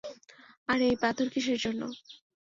আর এই পাথর কীসের জন্য?